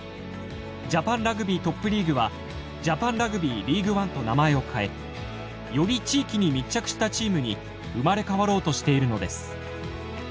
ジャパンラグビートップリーグはジャパンラグビーリーグワンと名前を変えより地域に密着したチームに生まれ変わろうとしているのです。